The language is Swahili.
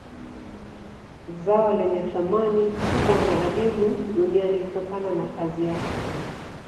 Zao lenye thamani kubwa na adimu duniani kutokana na kazi yake